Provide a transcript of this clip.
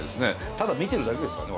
ただ見てるだけですからね